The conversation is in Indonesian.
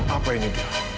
apa ini dil